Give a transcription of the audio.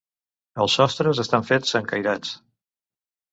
Els sostres estan fets amb cairats.